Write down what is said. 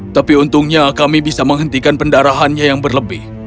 tapi untungnya kami bisa menghentikan pendarahannya yang berlebih